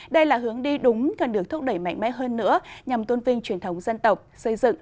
đây là hướng đi đúng cần được thúc đẩy mạnh mẽ hơn nữa nhằm tôn vinh truyền thống dân tộc xây dựng